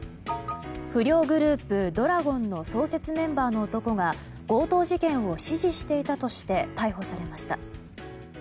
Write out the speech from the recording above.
不良グループ、怒羅権の創設メンバーの男が強盗事件を指示していたとして逮捕されました。